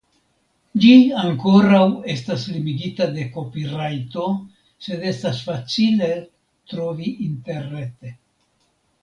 Ĝi ankoraŭ estas limigita de kopirajto sed estas facile trovi interrete.